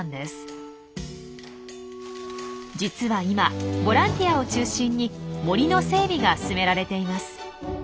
実は今ボランティアを中心に森の整備が進められています。